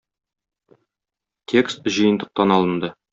Текст җыентыктан алынды.